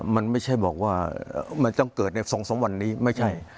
มันไม่ใช่บอกว่ามันต้องเกิดใน๒๓วันนี้ไม่ใช่